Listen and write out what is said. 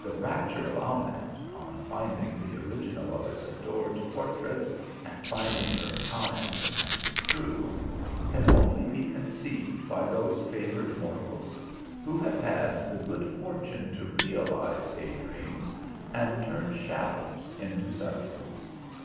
The rapture of Ahmed on finding the original of his adored portrait, and finding her kind and true, can only be conceived by those favoured mortals, who have had the good fortune to realize day dreams, and turn shadows into substance.